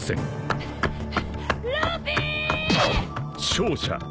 ［勝者］